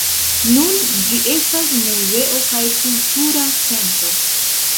Nun ĝi estas muzeo kaj kultura centro.